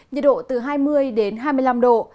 nhiệt độ từ hai mươi đến hai mươi năm độ